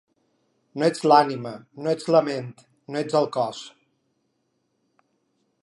No ets l'ànima, no ets la ment, no ets el cos.